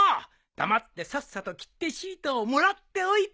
黙ってさっさと切手シートをもらっておいで。